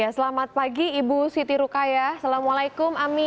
selamat pagi ibu siti rukaya assalamualaikum ami